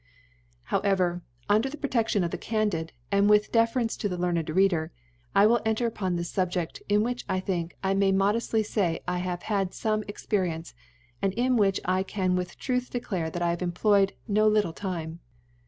However, under the Proteftion of the candid, and with Deference to the learned Reader, I will enter on this Subjeft, in which, I think, I may with M"ode{ly fay, .1 have had fome Experience ; and in which I can with Truth declare, I have employed no little Time.